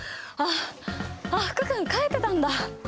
あっ福君帰ってたんだ。